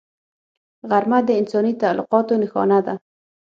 غرمه د انساني تعلقاتو نښانه ده